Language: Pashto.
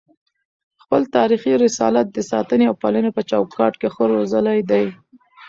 خپل تاریخي رسالت د ساتني او پالني په چوکاټ کي ښه روزلی دی